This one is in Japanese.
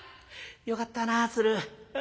よかったな鶴。